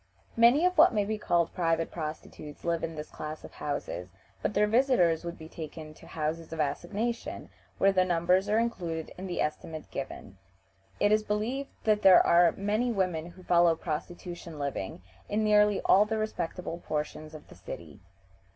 Many of what may be called private prostitutes live in this class of houses, but their visitors would be taken to houses of assignation, where the numbers are included in the estimate given. "It is believed that there are many women who follow prostitution living in nearly all the respectable portions of the city.